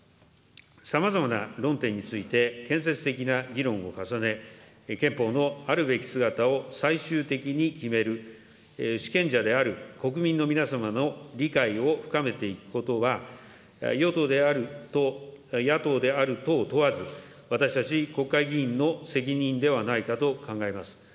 さまざまな論点について、建設的な議論を重ね、憲法のあるべき姿を最終的に決める主権者である国民の皆様の理解を深めていくことは、与党である党、野党である党問わず、私たち国会議員の責任ではないかと考えます。